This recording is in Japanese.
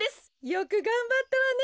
よくがんばったわね。